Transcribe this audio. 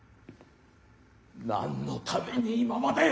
何のために今まで。